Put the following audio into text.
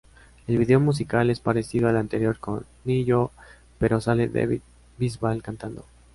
El video musical es parecido al anterior con Ne-Yo pero sale David Bisbal cantando.